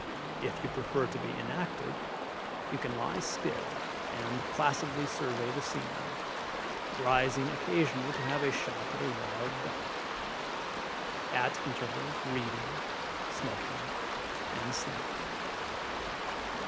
If you prefer to be inactive, you can lie still and placidly survey the scenery, rising occasionally to have a shot at a wild duck; at intervals reading, smoking, and sleeping.